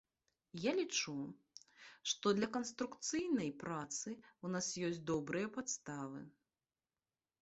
Я лічу, што для канструкцыйнай працы у нас ёсць добрыя падставы.